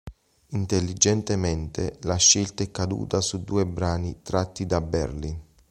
Intelligentemente la scelta è caduta su due brani tratti da "Berlin".